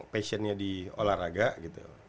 pasientnya di olahraga gitu